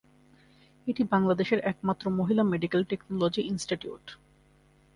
এটি বাংলাদেশের একমাত্র মহিলা মেডিকেল টেকনোলজি ইনস্টিটিউট।